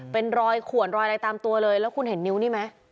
เป็นรอยขวนรอยอะไรตามตัวเลยแล้วคุณเห็นนิ้วนี่ไหม